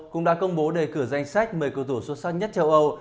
cũng đã công bố đề cử danh sách một mươi cầu thủ xuất sắc nhất châu âu